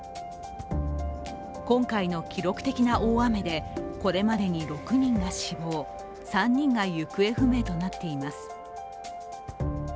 今回の記録的な大雨でこれまでに６人が死亡、３人が行方不明となっています。